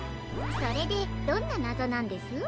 それでどんななぞなんです？